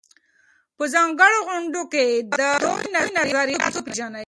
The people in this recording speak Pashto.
په ځانګړو غونډو کې د دوی نظریات وپېژنئ.